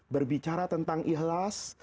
berbicara tentang ikhlas